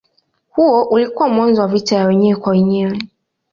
Huo ulikuwa mwanzo wa vita ya wenyewe kwa wenyewe.